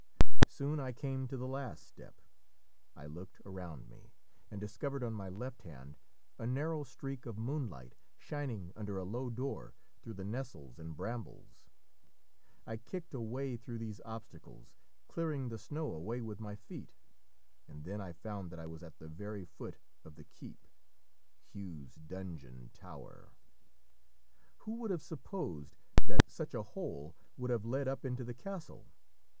Soon I came to the last step; I looked around me, and discovered on my left hand a narrow streak of moonlight shining under a low door, through the nettles and brambles; I kicked a way through these obstacles, clearing the snow away with my feet, and then found that I was at the very foot of the keep Hugh's donjon tower. Who would have supposed that such a hole would have led up into the castle?